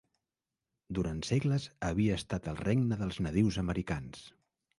Durant segles, havia estat el regne dels nadius americans.